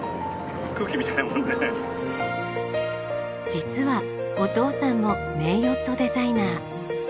実はお父さんも名ヨットデザイナー。